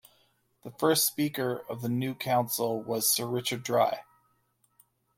The first Speaker of the new Council was Sir Richard Dry.